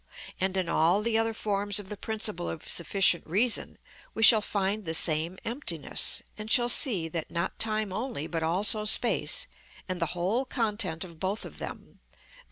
And in all the other forms of the principle of sufficient reason, we shall find the same emptiness, and shall see that not time only but also space, and the whole content of both of them, _i.